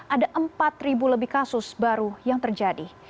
ada empat lebih kasus baru yang terjadi